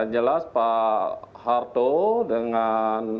jelas pak harto dengan